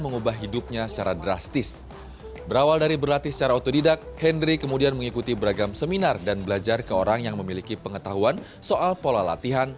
ya nyerah nyerah nyerah